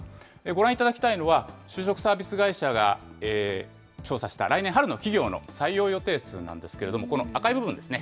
ご覧いただきたいのは、就職サービス会社が調査した来年春の企業の採用予定数なんですけれども、この赤い部分ですね。